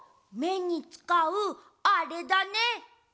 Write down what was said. めにつかうあれだね！